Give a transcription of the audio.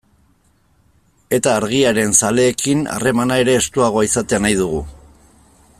Eta Argiaren zaleekin harremana ere estuagoa izatea nahi dugu.